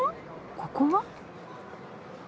ここは？